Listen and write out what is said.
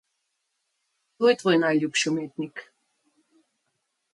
Kdo je tvoj najljubši umetnik?